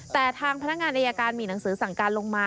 แต่ทางพนักงานอายการมีหนังสือสั่งการลงมา